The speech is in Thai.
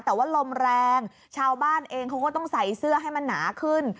แต่ว่าลมแรงชาวบ้านเองเขาก็ต้องใส่เสื้อให้มันหนาขึ้น